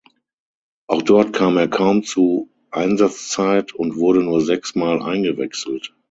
Auch dort kam er kaum zu Einsatzzeit und wurde nur sechs Mal eingewechselt.